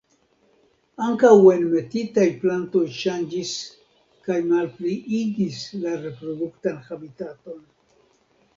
Ankaŭ enmetitaj plantoj ŝanĝis kaj malpliigis la reproduktan habitaton.